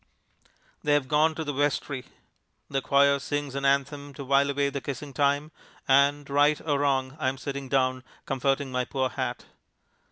They have gone to the vestry. The choir sings an anthem to while away the kissing time, and, right or wrong, I am sitting down, comforting my poor hat.